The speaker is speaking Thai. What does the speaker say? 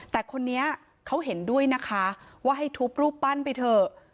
แต่คนนี้เขาเห็นด้วยนะคะว่าให้ทุบรูปปั้นไปเถอะ